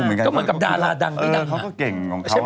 ก็เหมือนกับดาราดังเป็นกัน